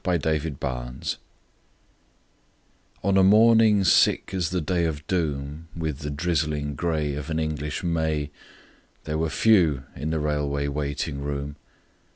IN A WAITING ROOM ON a morning sick as the day of doom With the drizzling gray Of an English May, There were few in the railway waiting room.